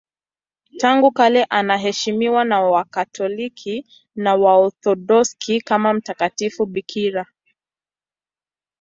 Tangu kale anaheshimiwa na Wakatoliki na Waorthodoksi kama mtakatifu bikira.